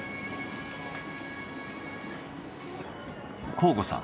向後さん